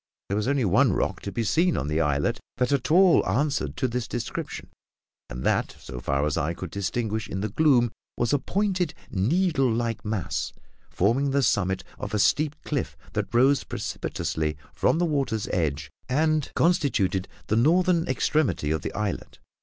There was only one rock to be seen on the islet that at all answered to this description, and that, so far as I could distinguish in the gloom, was a pointed, needle like mass, forming the summit of a steep cliff that rose precipitously from the water's edge and constituted the northern extremity of the islet.